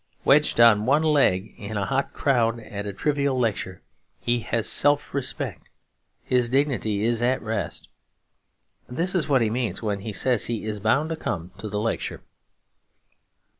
Wedged on one leg in a hot crowd at a trivial lecture, he has self respect; his dignity is at rest. That is what he means when he says he is bound to come to the lecture.